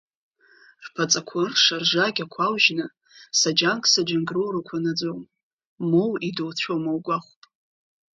Рԥаҵақәа ырша, ржакьақәа аужьны, саџьанк-саџьанк роурақәа наӡон, моу идоуцәома угәахәп…